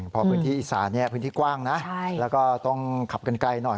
พอพื้นที่อีสานพื้นที่กว้างนะแล้วก็ต้องขับกันไกลหน่อย